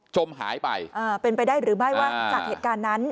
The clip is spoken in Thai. จมหายไปอ่าเป็นไปได้หรือไม่ว่าจากเหตุการณ์นั้น